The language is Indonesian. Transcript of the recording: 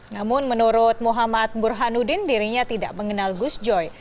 namun menurut muhammad burhanuddin dirinya tidak mengenal gus joy